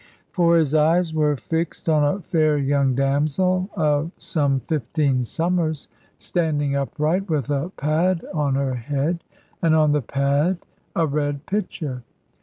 For his eyes were fixed on a fair young damsel of some fifteen summers, standing upright, with a pad on her head, and on the pad a red pitcher.